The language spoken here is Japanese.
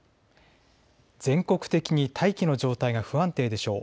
全国的に大気の状態が不安定でしょう。